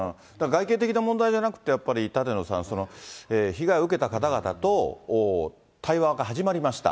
外形的な問題じゃなくて、やっぱり舘野さん、被害を受けた方々と対話が始まりました。